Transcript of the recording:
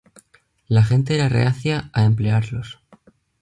La gente era reacia a emplearlos.